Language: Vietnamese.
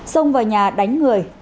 xông vào nhà đánh người